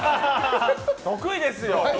得意ですよ！